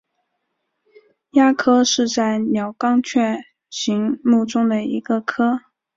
鸦科在是鸟纲雀形目中的一个科。